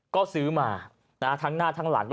ก็ซื้อมานะฮะ